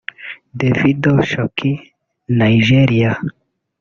Davido – Shoki ( Nigeria)